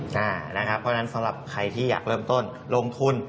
เพราะฉะนั้นสำหรับใครที่อยากเริ่มต้นลงทุน